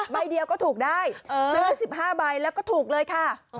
ใบเดียวก็ถูกได้ซื้อ๑๕ใบแล้วก็ถูกเลยค่ะ